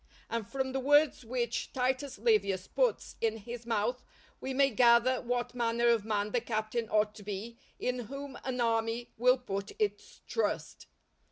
And from the words which Titus Livius puts in his mouth we may gather what manner of man the captain ought to be in whom an army will put its trust.